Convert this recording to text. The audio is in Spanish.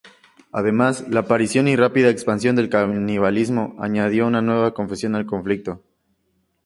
Además, la aparición y rápida expansión del calvinismo añadía una nueva confesión al conflicto.